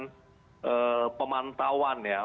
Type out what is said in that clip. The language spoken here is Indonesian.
dengan pemantauan ya